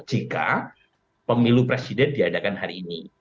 jika pemilu presiden diadakan hari ini